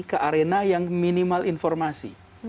ke arena yang minimal informasi